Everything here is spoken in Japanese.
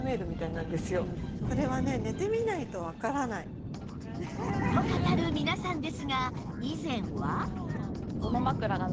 毎日と語る皆さんですが以前は